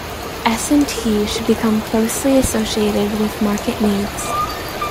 S and T should become closely associated with market needs.